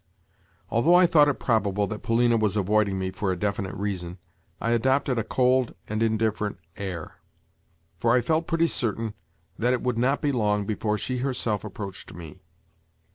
Although I thought it probable that Polina was avoiding me for a definite reason, I adopted a cold and indifferent air; for I felt pretty certain that it would not be long before she herself approached me.